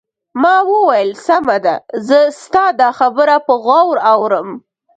ما وویل: سمه ده، زه ستا دا خبره په غور اورم.